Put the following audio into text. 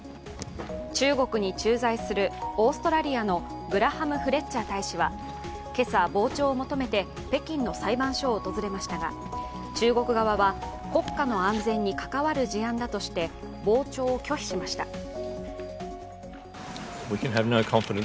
中国に駐在するオーストラリアのグラハム・フレッチャー大使は今朝、傍聴を求めて北京の裁判所を訪れましたが中国側は、国家の安全に関わる事案だとして傍聴を拒否しました。